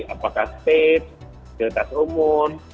apakah space kualitas umum